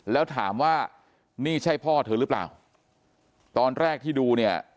แล้วถามว่านี่ใช่พ่อเธอหรือเปล่าตอนแรกที่ดูเนี่ย